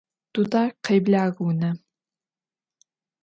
Dudar, khêblağ vunem!